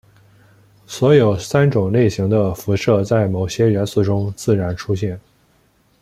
所有三种类型的辐射在某些元素中自然出现。